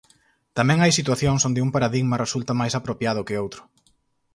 Tamén hai situacións onde un paradigma resulta máis apropiado que outro.